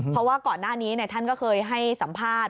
เพราะว่าก่อนหน้านี้ท่านก็เคยให้สัมภาษณ์